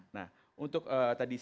nah untuk tadi sma pp itu sangat bagus